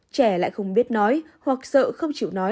trẻ lại không biết nói hoặc sợ không chịu nói